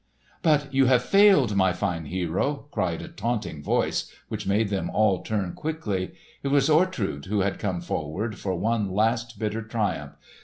"But you have failed, my fine hero!" cried a taunting voice which made them all turn quickly. It was Ortrud who had come forward for one last bitter triumph.